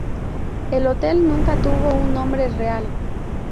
El hotel nunca tuvo un nombre real.